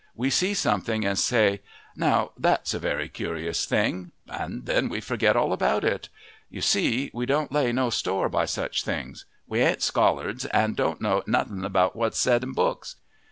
We see something and say, 'Now that's a very curious thing!' and then we forget all about it. You see, we don't lay no store by such things; we ain't scholards and don't know nothing about what's said in books.